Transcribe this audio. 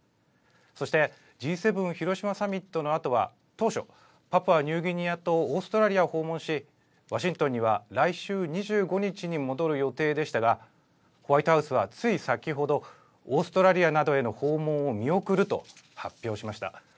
そして、Ｇ７広島サミットのあとは、当初、パプアニューギニアとオーストラリアを訪問し、ワシントンには来週２５日に戻る予定でしたが、ホワイトハウスはつい先ほど、オーストラリアなどへの訪問を見送ると発表しました。